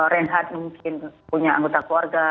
reinhard mungkin punya anggota keluarga